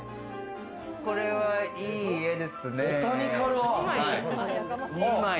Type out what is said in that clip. これは、いい絵ですね。